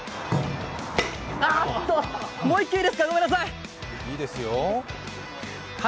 ああっと、もう１球いいですか。